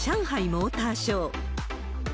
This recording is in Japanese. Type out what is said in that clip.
モーターショー。